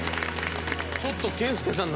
ちょっと健介さん